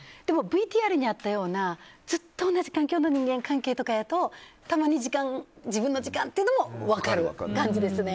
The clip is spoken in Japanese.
でもＶＴＲにあったようなずっと同じ環境の人間関係とかだとたまに自分の時間ってのも分かる感じですね。